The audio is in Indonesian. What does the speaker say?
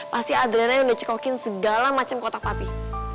pasti adriana yang udah cekokin segala macam kotak papi